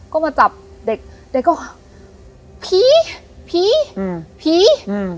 ก็มาจับเด็กเด็กก็ผีผีอืมผีอ่า